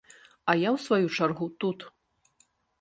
А я ў сваю чаргу тут.